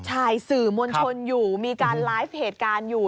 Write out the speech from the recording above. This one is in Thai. ใช่สื่อมวลชนอยู่มีการไลฟ์เหตุการณ์อยู่